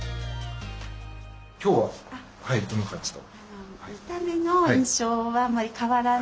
今日はどんな感じの？